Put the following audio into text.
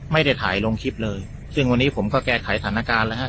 ไม่ได้ถ่ายลงคลิปเลยซึ่งวันนี้ผมก็แก้ไขสถานการณ์แล้วฮะ